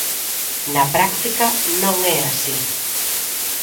Na práctica, non é así.